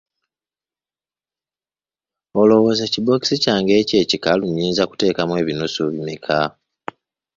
Olowooza ekibookisi kyange ekyo ekikalu nnyinza kukiteekamu ebinusu bimeka?